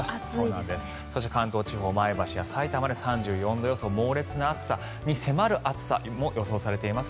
そして関東地方、前橋やさいたま、３４度予想猛烈な暑さに迫る暑さが予想されています。